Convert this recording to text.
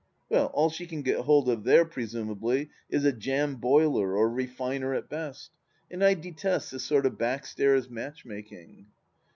Well, all she can get hold of there presumably is a jam boiler or refiner at best, and I detest this sort of backstairs matchmaking.